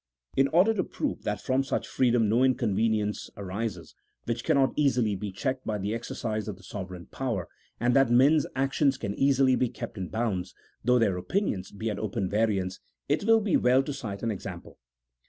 In order to prove that from such freedom no incon venience arises, which cannot easily be checked by the exer cise of the sovereign power, and that men's actions can easily be kept in bounds, though their opinions be at open variance, it will be well to cite an example.